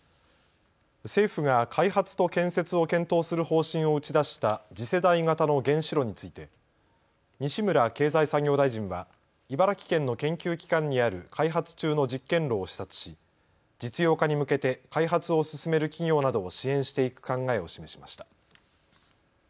政府が開発と建設を検討する方針を打ち出した次世代型の原子炉について西村経済産業大臣は茨城県の研究機関にある開発中の実験炉を視察し実用化に向けて開発を進める企業などを支援していく考えを示しました。